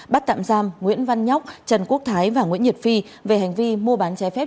bắt tạm giam nguyễn văn nhóc trần quốc thái và nguyễn nhật phi về hành vi mua bán trái phép